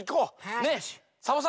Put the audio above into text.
ねっ。